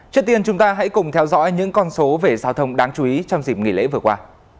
trước tiên chúng ta hãy cùng theo dõi những con số về giao thông đáng chú ý trong dịp nghỉ lễ vừa qua